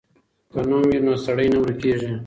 که نوم وي نو سړی نه ورکېږي.